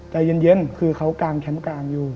แต่เย็นเขากลางแคมป์กลางอยู่